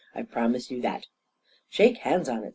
" I promise you that!" " Shake hands on it